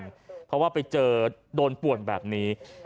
เพราะว่าไปเจอโดนป่วนแบบนี้